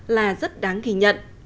là rất đáng ghi nhận